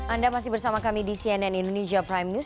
anda masih bersama kami di cnn indonesia prime news